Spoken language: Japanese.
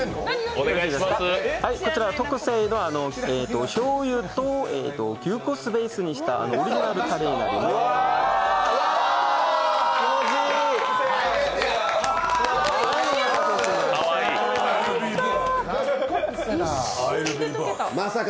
こちら特製のしょうゆと牛骨をベースにしたオリジナルのたれになります。